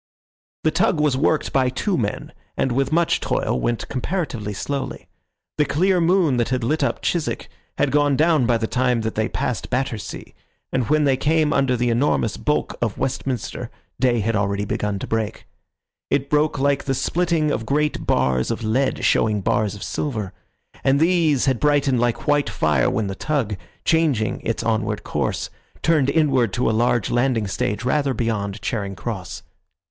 The tug was worked by two men, and with much toil went comparatively slowly. The clear moon that had lit up Chiswick had gone down by the time that they passed Battersea, and when they came under the enormous bulk of Westminster day had already begun to break. It broke like the splitting of great bars of lead, showing bars of silver; and these had brightened like white fire when the tug, changing its onward course, turned inward to a large landing stage rather beyond Charing Cross.